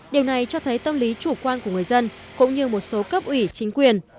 điều này cho thấy tâm lý chủ quan của người dân cũng như một số cấp ủy chính quyền